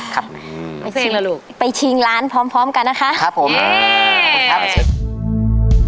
ครับไปชิงล้านพร้อมกันนะครับครับผมอ่าขอบคุณครับ